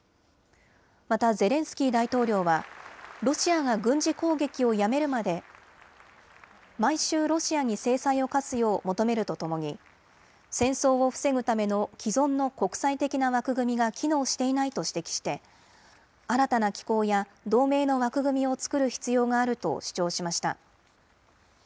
またゼレンスキー大統領はロシアが軍事攻撃をやめるまで毎週、ロシアに制裁を科すよう求めるとともに戦争を防ぐための既存の国際的な枠組みが機能していないと指摘して新たな機構や同盟の枠組みを作る必要があると主張しました。